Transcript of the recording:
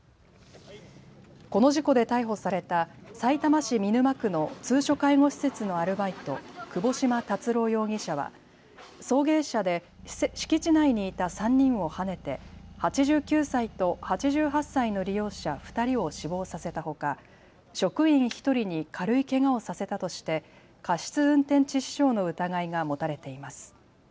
この事故で逮捕されたさいたま市見沼区の通所介護施設のアルバイト、窪島達郎容疑者は送迎車で敷地内にいた３人をはねて８９歳と８８歳の利用者２人を死亡させたほか職員１人に軽いけがをさせたとして過失運転致死傷の疑いが持たれています。